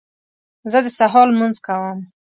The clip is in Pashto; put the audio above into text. زه د سهار لمونځ کوم